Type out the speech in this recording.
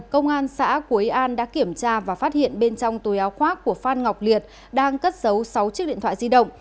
công an xã quế an đã kiểm tra và phát hiện bên trong túi áo khoác của phan ngọc liệt đang cất giấu sáu chiếc điện thoại di động